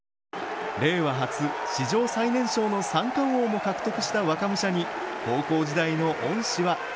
令和初、史上最年少の３冠王も獲得した若武者に高校時代の恩師は。